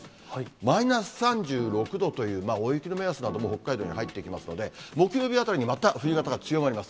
マイナス３６度という大雪の目安なども北海道に入ってきますので、木曜日あたりにまた冬型が強まります。